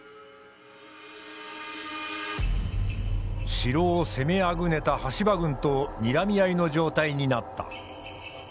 城を攻めあぐねた羽柴軍とにらみ合いの状態になった。